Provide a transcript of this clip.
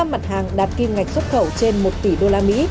một mươi năm mặt hàng đạt kim ngạch xuất khẩu trên một tỷ usd